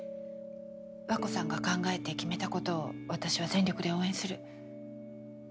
和子さんが考えて決めたことを私は全力で応援する。